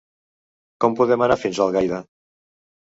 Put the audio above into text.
Com podem anar fins a Algaida?